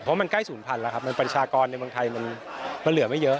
เพราะมันใกล้๐๐แล้วครับมันประชากรในเมืองไทยมันเหลือไม่เยอะ